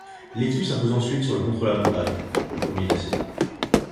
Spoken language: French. L'équipe s'impose ensuite sur le contre-la-montre par équipes, le premier de la saison.